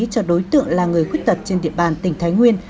cho đối tượng là người khuyết tật trên địa bàn tỉnh thái nguyên